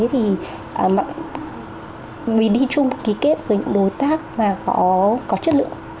thì mình đi chung ký kết với những đối tác mà có chất lượng